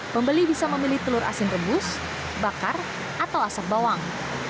pembeli bisa memilih telur asin rebus bakar atau asap bawang